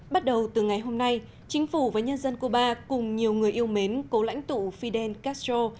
bắt đầu từ ngày hôm nay chính phủ và nhân dân cuba cùng nhiều người yêu mến cố lãnh tụ fidel castro